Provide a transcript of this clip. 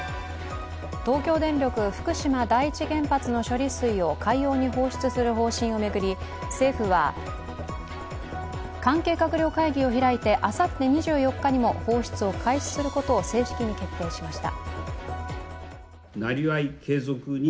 東京電力・福島第一原発の処理水を海洋に放出する方針を巡り政府は関係閣僚会議を開いてあさって２４日にも放出を開始することを正式に決定しました。